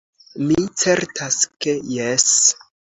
Mi certas ke jes.